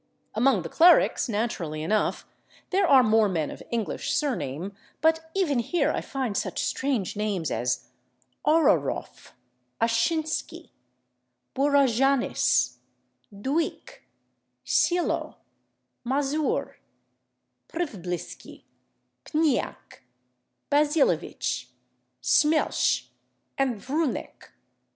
Among the clerics, naturally enough, there are more men of English surname, but even here I find such strange names as /Auroroff/, /Ashinsky/, /Bourajanis/, /Duic/, /Cillo/, /Mazure/, /Przvblski/, /Pniak/, /Bazilevich/, /Smelsz/ and /Vrhunec